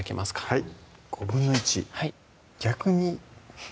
はい